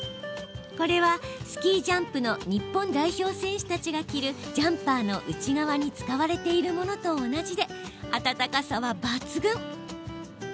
これはスキージャンプの日本代表選手たちが着るジャンパーの内側に使われているものと同じであたたかさは抜群。